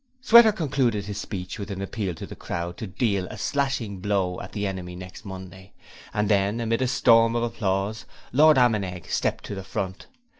Sweater concluded his speech with an appeal to the crowd to deal a 'Slashing Bow at the Enemy' next Monday, and then amid a storm of applause, Lord Ammenegg stepped to the front.